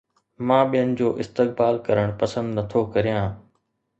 مان ٻين جو استقبال ڪرڻ پسند نٿو ڪريان